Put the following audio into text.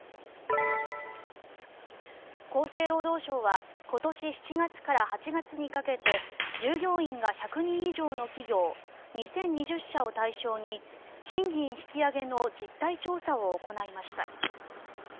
厚生労働省は今年７月から８月にかけて従業員が１００人以上の企業２０２０社を対象に賃金引き上げの実態調査を行いました。